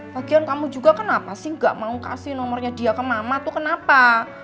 bagian kamu juga kenapa sih gak mau kasih nomornya dia ke mama tuh kenapa